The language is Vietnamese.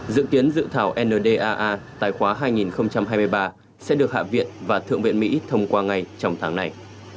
dự kiến dự thảo ndaa tài khoá hai nghìn hai mươi ba sẽ được hạ viện và thượng viện mỹ thông qua ngay trong tháng này